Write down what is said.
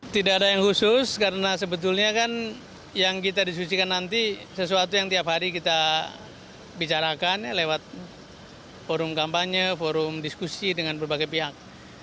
tidak ada yang khusus karena sebetulnya kan yang kita diskusikan nanti sesuatu yang tiap hari kita bicarakan lewat forum kampanye forum diskusi dengan berbagai pihak